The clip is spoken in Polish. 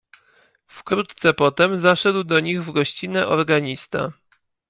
"Wkrótce potem zaszedł do nich w gościnę organista."